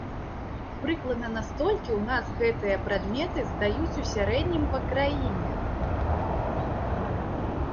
Прыкладна на столькі ў нас гэтыя прадметы здаюць у сярэднім па краіне!